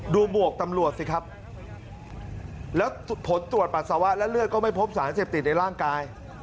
หมวกตำรวจสิครับแล้วผลตรวจปัสสาวะและเลือดก็ไม่พบสารเสพติดในร่างกาย